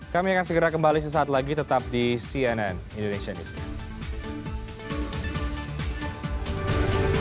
kami akan segera kembali sesaat lagi tetap di cnn indonesia newscast